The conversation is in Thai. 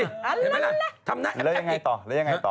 แล้วยังไงต่อ